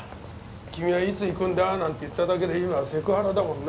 君はいつ行くんだ？なんて言っただけで今はセクハラだもんな。